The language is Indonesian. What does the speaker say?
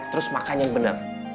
terus makan yang bener